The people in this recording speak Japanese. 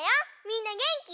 みんなげんき？